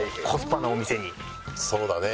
そうだね。